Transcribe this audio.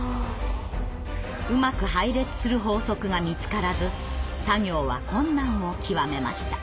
うまく配列する法則が見つからず作業は困難を極めました。